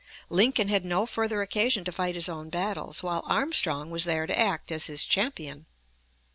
Lincoln had no further occasion to fight his own battles while Armstrong was there to act as his champion.